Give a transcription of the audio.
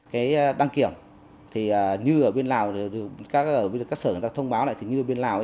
cái đăng kiểm thì như ở biển lào các sở người ta thông báo lại thì như ở biển lào